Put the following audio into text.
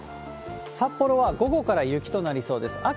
札幌は午後から雪となりそうです。